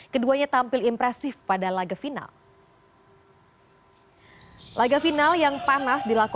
keduanya tampil impresif pada laga final